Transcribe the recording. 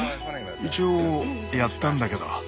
一応やったんだけど。